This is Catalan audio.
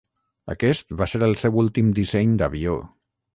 Aquest va ser el seu últim disseny d'avió.